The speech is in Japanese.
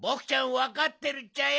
わかってるっちゃよ！